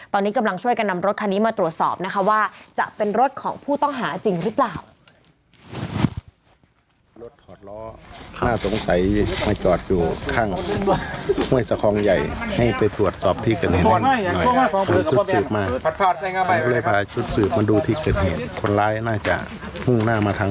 ตอนนี้กำลังช่วยกันนำรถคันนี้มาตรวจสอบนะคะว่าจะเป็นรถของผู้ต้องหาจริงหรือเปล่า